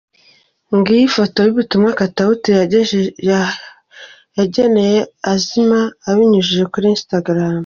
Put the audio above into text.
Ngiyi ifoto n’ubutumwa Katauti yageneye Asma abinyujije kuri instagram.